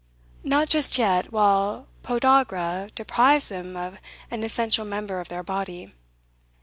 "Not just yet, while podagra deprives them of an essential member of their body.